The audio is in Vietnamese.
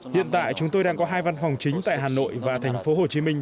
hiện tại chúng tôi đang có hai văn phòng chính tại hà nội và thành phố hồ chí minh